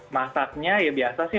masaknya ya biasa sih